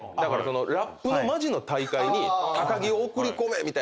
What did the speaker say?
ラップのマジの大会に高木を送り込めみたいな企画があって。